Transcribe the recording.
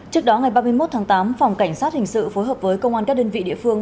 trước đó ngày ba mươi một tháng tám phòng cảnh sát hình sự phối hợp với công an các đơn vị địa phương